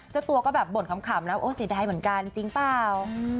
เจ้าตัวก็แบบบ่นขำนะโอ้เสียดายเหมือนกันจริงเปล่า